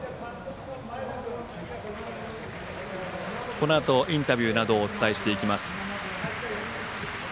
このあとインタビューなどをお伝えします。